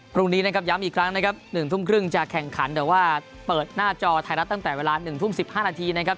พรุ่งนี้นะครับย้ำอีกครั้งนะครับ๑ทุ่มครึ่งจะแข่งขันแต่ว่าเปิดหน้าจอไทยรัฐตั้งแต่เวลา๑ทุ่ม๑๕นาทีนะครับ